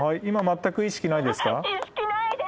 今全く意識ないですか？